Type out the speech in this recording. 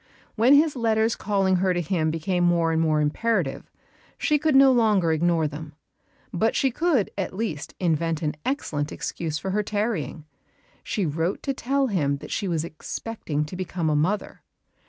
When his letters calling her to him became more and more imperative, she could no longer ignore them. But she could, at least, invent an excellent excuse for her tarrying. She wrote to tell him that she was expecting to become a mother.